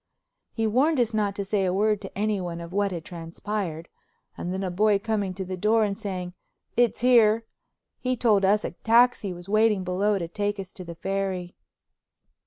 He warned us not to say a word to anyone of what had transpired, and then a boy coming to the door and saying, "It's here," he told us a taxi was waiting below to take us to the Ferry.